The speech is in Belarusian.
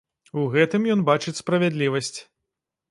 У гэтым ён бачыць справядлівасць.